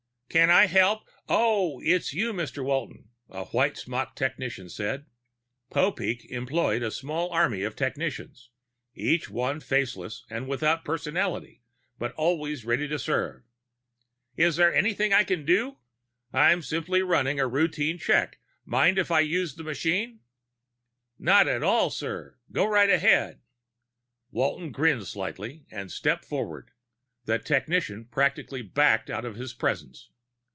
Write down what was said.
"Can I help oh, it's you, Mr. Walton," a white smocked technician said. Popeek employed a small army of technicians, each one faceless and without personality, but always ready to serve. "Is there anything I can do?" "I'm simply running a routine checkup. Mind if I use the machine?" "Not at all, sir. Go right ahead." Walton grinned lightly and stepped forward. The technician practically backed out of his presence.